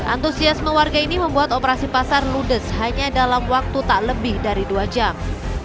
antusiasme warga ini membuat operasi pasar ludes hanya dalam waktu tak lebih dari dua jam